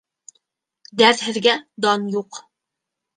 Дәртһеҙгә дан юҡ.